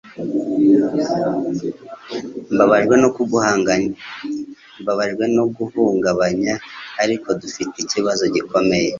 Mbabajwe no kuguhungabanya ariko dufite ikibazo gikomeye